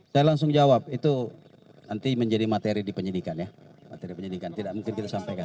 saya langsung jawab itu nanti menjadi materi di penyidikan ya materi penyelidikan tidak mungkin kita sampaikan